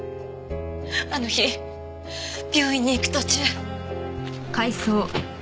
あの日病院に行く途中。